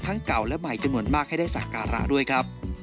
เก่าและใหม่จำนวนมากให้ได้สักการะด้วยครับ